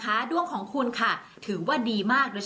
ส่งผลทำให้ดวงชะตาของชาวราศีมีนดีแบบสุดเลยนะคะ